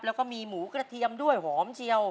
แล้วก็มีหมูกระเทียมด้วยหอมเชียว